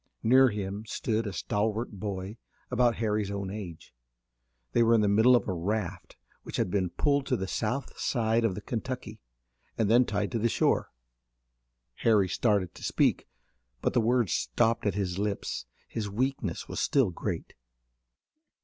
Near him stood a stalwart boy about Harry's own age. They were in the middle of a raft which had been pulled to the south side of the Kentucky and then tied to the shore. Harry started to speak, but the words stopped at his lips. His weakness was still great.